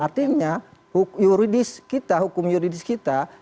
artinya hukum yuridis kita